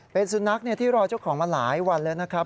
เป็นสุนัขที่รอเจ้าของมาหลายวันแล้วนะครับ